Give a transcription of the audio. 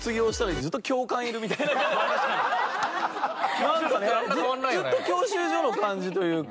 ずっと教習所の感じというか。